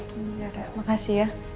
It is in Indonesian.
ya makasih ya